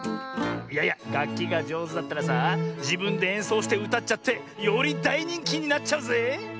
いやいやがっきがじょうずだったらさじぶんでえんそうしてうたっちゃってよりだいにんきになっちゃうぜえ。